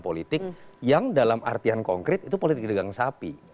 jadi yang dalam artian konkret itu politik gedegang sapi